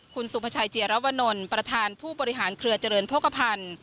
คุณสุภาชัยเจียรวนลประธานผู้บริหารเครือเจริญโภคภัณฑ์